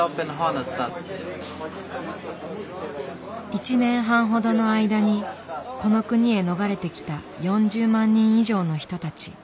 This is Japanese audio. １年半ほどの間にこの国へ逃れてきた４０万人以上の人たち。